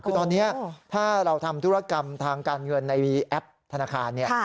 คือตอนนี้ถ้าเราทำธุรกรรมทางการเงินในแอปธนาคารเนี่ย